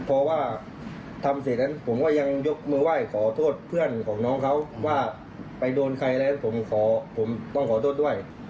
เพราะว่าทำเสร็จนั้นผมก็ยังยกมือไหว้ขอโทษเพื่อนของน้องเขาว่าไปโดนใครแล้วผมขอผมต้องขอโทษด้วย